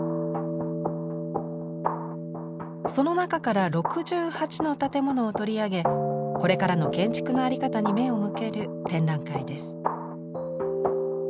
その中から６８の建物を取り上げこれからの建築の在り方に目を向ける展覧会です。